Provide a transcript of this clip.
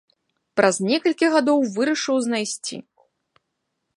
Праз некалькі гадоў вырашыў знайсці.